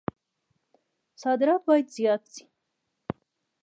صادرات باید زیات شي